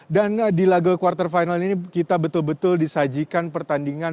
dan di lagu quarter final ini kita betul betul disajikan pertandingan